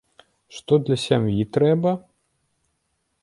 Што для сям'і трэба?